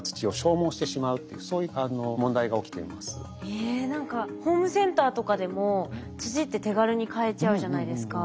え何かホームセンターとかでも土って手軽に買えちゃうじゃないですか。